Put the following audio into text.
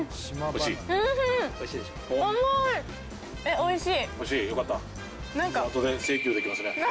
おいしい！